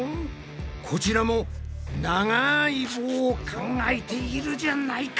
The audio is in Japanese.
こちらも長い棒を考えているじゃないか！